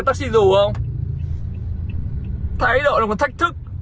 ờ có phải taxi dù không thái đội này mà thách thức